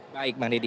baik bang deddy